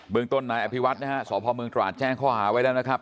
เมืองต้นนายอภิวัฒน์นะฮะสพเมืองตราดแจ้งข้อหาไว้แล้วนะครับ